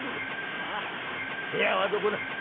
なあ部屋はどこだ？」。